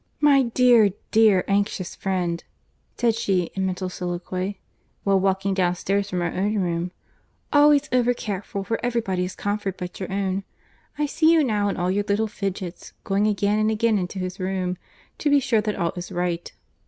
"My dear, dear anxious friend,"—said she, in mental soliloquy, while walking downstairs from her own room, "always overcareful for every body's comfort but your own; I see you now in all your little fidgets, going again and again into his room, to be sure that all is right."